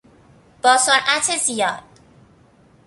با سرعت زیاد